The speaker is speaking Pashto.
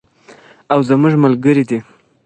او زموږ ملګری دی.